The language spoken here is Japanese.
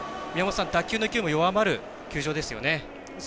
打球の勢いも弱まる球場ですよね。